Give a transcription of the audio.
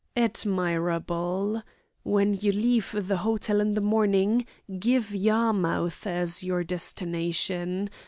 "Admirable! When you leave the hotel in the morning give Yarmouth as your destination.